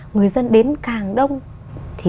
người dân đến càng đông thì